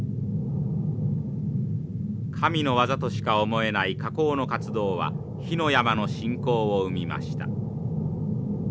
神の業としか思えない火口の活動は火の山の信仰を生みました。